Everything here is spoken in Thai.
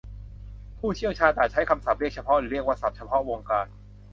ผู้เชี่ยวชาญต่างใช้คำเรียกเฉพาะหรือเรียกว่าศัทพ์เฉพาะวงการ